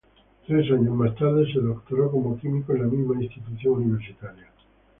Tres años más tarde se doctoró como químico en la misma institución universitaria.